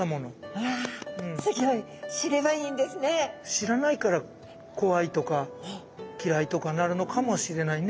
知らないから怖いとか嫌いとかなるのかもしれないね。